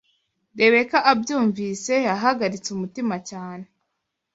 Rebeka abyumvise, yahagaritse umutima cyane